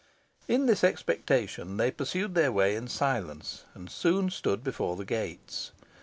In this expectation they pursued their way in silence, and soon stood before the gates.